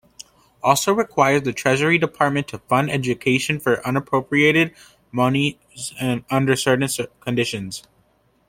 Also requires the Treasury Department to fund education from unappropriated monies under certain conditions.